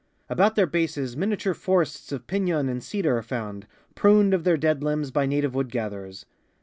About tiieir bases miniature forests of pinon and cedar are found, pruned of their dead limbs by native wood gatherers.